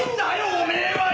おめえはよ！